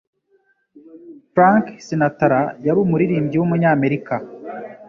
Frank Sinatra yari umuririmbyi w umunyamerika.